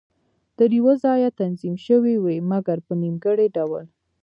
تر یوه ځایه تنظیم شوې وې، مګر په نیمګړي ډول.